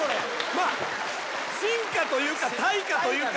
まあ進化というか退化というか。